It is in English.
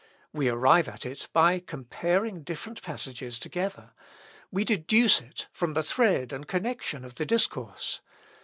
We arrive at it by comparing different passages together; we deduce it from the thread and connection of the discourse.